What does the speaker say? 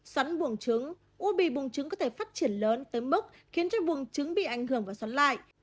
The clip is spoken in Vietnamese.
xoắn buồn trứng u bị buồn trứng có thể phát triển lớn tới mức khiến cho buồn trứng bị ảnh hưởng và xoắn lại